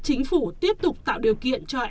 chính phủ tiếp tục tạo điều kiện cho